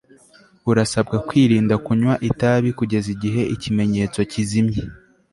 urasabwa kwirinda kunywa itabi kugeza igihe ikimenyetso kizimye